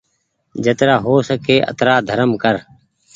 جترآ هو سڪي آترا ڌرم ڪر